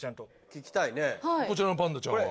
こちらのパンダちゃんは？